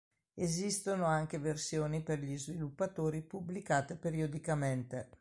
Esistono anche versioni per gli sviluppatori pubblicate periodicamente.